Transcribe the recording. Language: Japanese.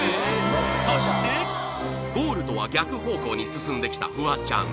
そしてゴールとは逆方向に進んできたフワちゃん